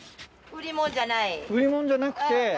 売り物じゃなくて？